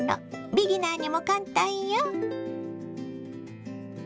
ビギナーにも簡単よ。